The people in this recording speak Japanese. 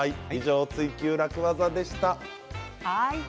「ツイＱ楽ワザ」でした。